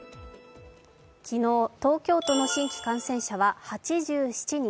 昨日、東京都の新規感染者は８７人。